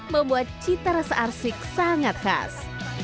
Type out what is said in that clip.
membuat cita rasa arsik sangat khas